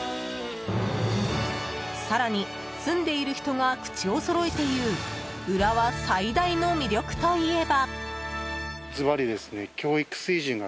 更に、住んでいる人が口をそろえて言う浦和最大の魅力といえば。